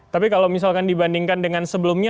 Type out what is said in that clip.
tapi kalau misalkan dibandingkan dengan sebelumnya